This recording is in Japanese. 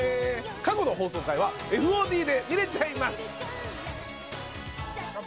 過去の放送回はＦＯＤで見れちゃいます。